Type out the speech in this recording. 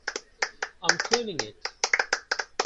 I'm cleaning it.